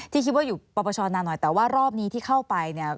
ที่คิดว่าอยู่ปปชนานหน่อยแต่ว่ารอบนี้ที่เข้าไปเนี่ย